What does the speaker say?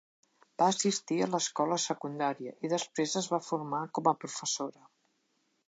Va assistir a l'escola secundària i després es va formar com a professora.